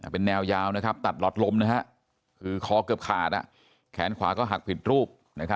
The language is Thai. เป็นแนวยาวตัดหลอดลมคือคอเกือบขาดแขนขวาก็หักผิดรูป